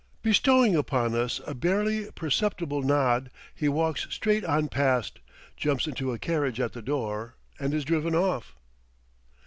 Bestowing upon us a barely perceptible nod, he walks straight on past, jumps into a carriage at the door, and is driven off.